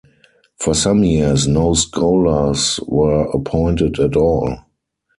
For some years no scholars were appointed at all.